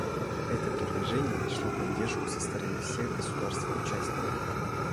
Это предложение нашло поддержку со стороны всех государств-участников.